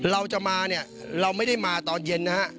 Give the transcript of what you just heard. เราจะมาเนี่ยเราไม่ได้มาตอนเย็นนะฮะ